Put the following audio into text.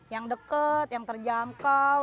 yang deket yang terjangkau